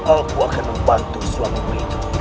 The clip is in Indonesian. aku akan membantu suamimu itu